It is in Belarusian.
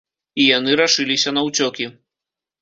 І яны рашыліся на ўцёкі.